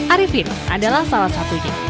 arifin adalah salah satunya